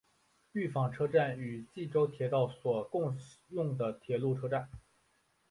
御坊车站与纪州铁道所共用的铁路车站。